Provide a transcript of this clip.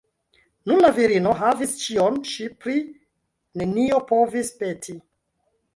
Nun la virino havis ĉion, ŝi pri nenio povis peti.